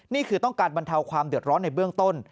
นี่คือต้องการบรรเทาความเดือดร้อนในเบื้องต้น